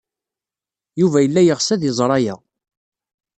Yuba yella yeɣs ad iẓer aya.